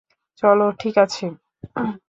চলো, ঠিক আছে?